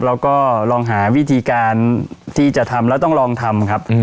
เราก็ลองหาวิธีการที่จะทำแล้วต้องลองทำครับ